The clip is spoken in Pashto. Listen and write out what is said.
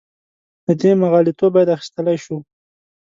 له دې مغالطو باید اخیستلی شو.